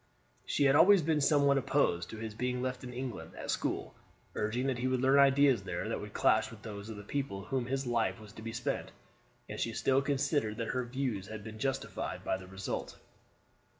She had always been somewhat opposed to his being left in England at school, urging that he would learn ideas there that would clash with those of the people among whom his life was to be spent; and she still considered that her views had been justified by the result.